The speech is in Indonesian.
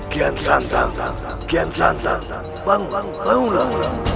kian santang kian santang bangulah